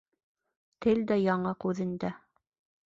Тел дә яңаҡ үҙендә.